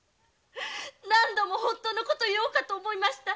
何度も本当の事を言おうかと思いました。